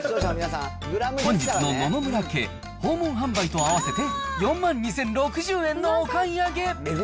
本日の野々村家、訪問販売と合わせて４万２０６０円のお買い上げ。